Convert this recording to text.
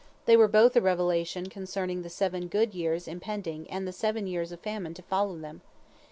They were both a revelation concerning the seven good years impending and the seven years of famine to follow them.